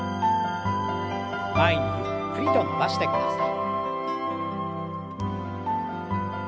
前にゆっくりと伸ばしてください。